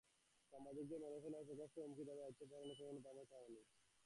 সাংবাদিকদের মেরে ফেলার প্রকাশ্য হুমকি দিয়ে তাঁদের দায়িত্ব থেকে কখনো দমানো যায়নি।